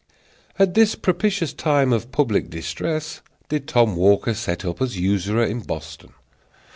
At this propitious time of public distress did Tom Walker set up as usurer in Boston.